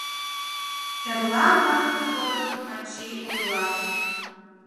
Эрла манме годым ачий ойла: